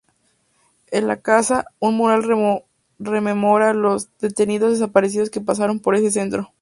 En la casa, un mural rememora los detenidos desaparecidos que pasaron por ese centro.